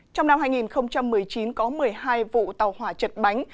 trong năm hai nghìn một mươi chín có một mươi hai vụ tàu hỏa chật bánh